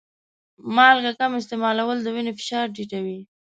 مالګه کم استعمالول د وینې فشار ټیټوي.